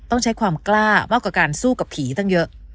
ต้องใช้ความกล้ามากกว่าการสู้กับผีตั้งเยอะ